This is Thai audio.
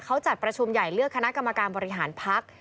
เขาจัดประชุมใหญ่เลือกคณะกรรมการบริหารพัก